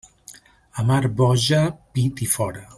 A mar boja, pit i fora.